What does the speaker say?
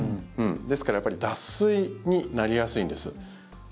ですから脱水になりやすいんです。